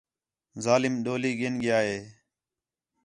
ظالم ڈولی گِھن ڳِیا ہِے